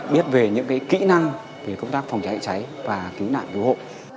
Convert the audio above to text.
biết về những kỹ năng về công tác phòng cháy cháy và cứu nạn cứu hộ